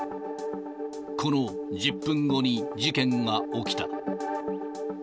この１０分後に事件が起きた。